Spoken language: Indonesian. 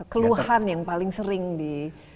keluhan yang paling sering di